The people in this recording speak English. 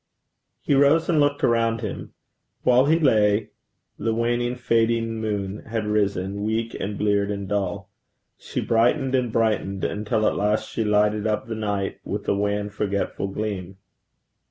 He rose and looked around him. While he lay, the waning, fading moon had risen, weak and bleared and dull. She brightened and brightened until at last she lighted up the night with a wan, forgetful gleam.